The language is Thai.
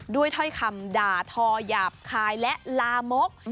ถ้อยคำด่าทอหยาบคายและลามก